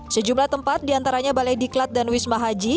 sejumlah tempat diantaranya balai diklat dan wisma haji